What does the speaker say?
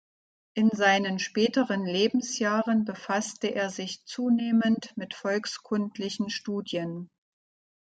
In seinen späteren Lebensjahren befasste er sich zunehmend mit volkskundlichen Studien.